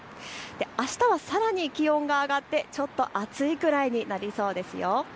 あしたはさらに気温が上がってちょっと暑いくらいになりそうですよ。